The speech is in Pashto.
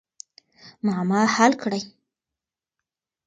معما حل کړئ.